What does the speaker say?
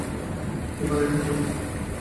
এবার এটা করি।